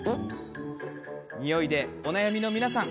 においでお悩みの皆さん。